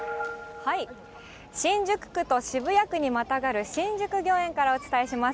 新宿区と渋谷区にまたがる新宿御苑からお伝えします。